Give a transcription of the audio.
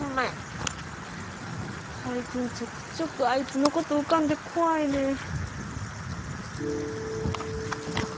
最近ちょくちょくあいつのこと浮かんで怖いねん。